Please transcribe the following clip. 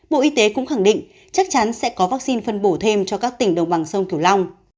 bộ y tế cũng khẳng định chắc chắn sẽ có vaccine phân bổ thêm cho các tỉnh đồng bằng sông cửu long